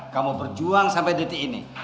kamu berjuang sampai detik ini